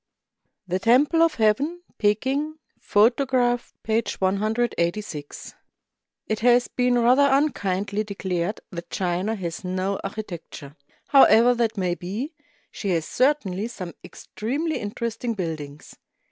THE TEMPLE OF HEAVEN, PEKING THE TEMPLE OF HEAVEN, PEKING It has been rather unkindly declared that China has no architecture. However that may be, she has certainly some extremely interesting buildings.